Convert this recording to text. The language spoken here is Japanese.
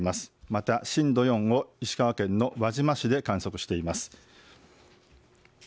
また震度４を石川県の輪島市で観測しています。